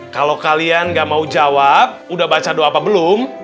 kalau kalian gak mau jawab udah baca doa apa belum